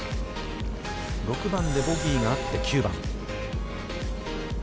６番でボギーがあって、９番。